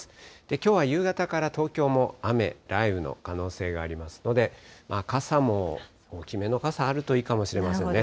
きょうは夕方から東京も雨、雷雨の可能性がありますので、傘も、大きめの傘があるといいかもしれませんね。